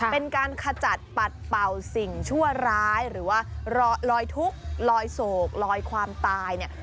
เป็นการขจัดปัดเป่าสิ่งชั่วร้ายหรือว่าลอยทุกข์ลอยโศกลอยความตายเนี่ย